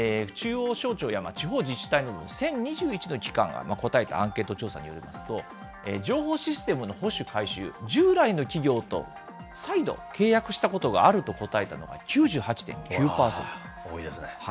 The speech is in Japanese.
中央省庁や地方自治体の、１０２１の機関が答えたアンケート調査によりますと、情報システムの保守・改修、従来の企業と、再度、契約したことがあると答えたのが多いですね。